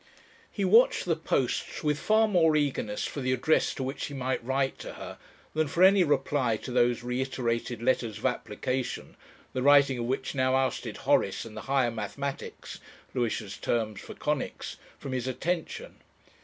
He watched the posts with far more eagerness for the address to which he might write to her than for any reply to those reiterated letters of application, the writing of which now ousted Horace and the higher mathematics (Lewisham's term for conics) from his attention.